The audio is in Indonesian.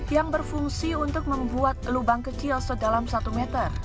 yang berfungsi untuk membuat lubang kecil sedalam satu meter